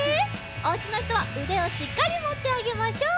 おうちのひとはうでをしっかりもってあげましょう。